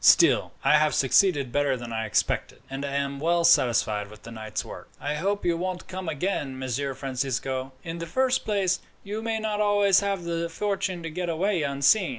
Still, I have succeeded better than I expected, and I am well satisfied with the night's work." "I hope you won't come again, Messer Francisco. In the first place, you may not always have the fortune to get away unseen.